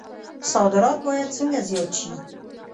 صادرات باید څنګه زیات شي؟